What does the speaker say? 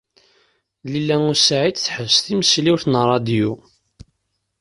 Lila u Saɛid teḥbes timesliwt n ṛṛadyu.